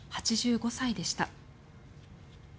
８５歳でした。